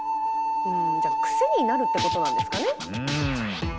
うんじゃクセになるってことなんですかね。